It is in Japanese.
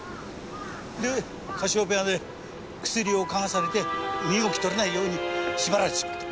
でカシオペアで薬を嗅がされて身動きとれないように縛られてしまった。